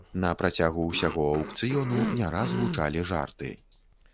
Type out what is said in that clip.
На працягу ўсяго аўкцыёну не раз гучалі жарты.